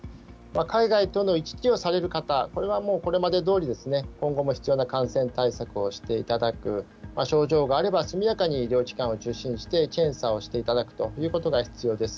海外との行き来をされる方、これはもうこれまでどおり、今後も必要な感染対策をしていただく、症状があれば、速やかに医療機関を受診して、検査をしていただくということが必要です。